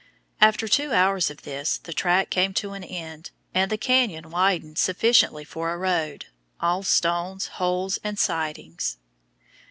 After two hours of this, the track came to an end, and the canyon widened sufficiently for a road, all stones, holes, and sidings.